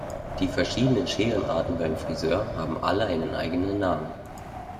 Die verschiedenen Scherenarten beim Frisör haben alle einen eigenen Namen.